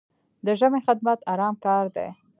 د ژبې خدمت ارام کار دی.